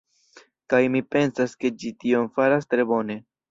Kaj mi pensas ke ĝi tion faras tre bone.